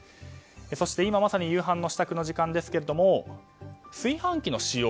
そして、今まさに夕飯の支度の時間帯ですが、炊飯器の使用。